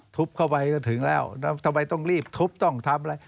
เข้าไปก็ถึงแล้วแล้วทำไมต้องรีบทุบต้องทำอะไร